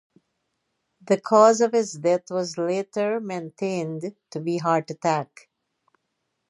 The cause of his death was later maintained to be heart attack.